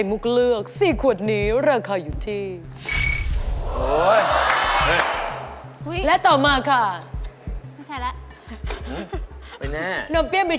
เพราะราคามันก็ต่างกันนิดหน่อย